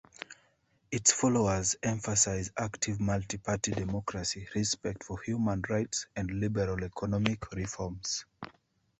Its followers emphasize active multiparty democracy, respect for human rights and liberal economic reforms.